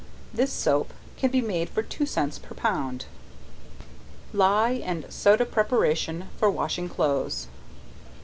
This soap can be made for two cents per pound. Ley and Soda Preparation for Washing Clothes.